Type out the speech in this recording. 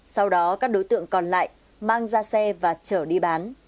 sau đó các đối tượng còn lại mang ra xe và chở đi bán